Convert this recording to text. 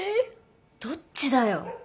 どっちだよ？